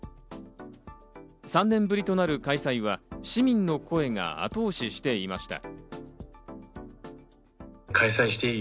３年ぶりとなる開催は、市民の声が後押ししていました。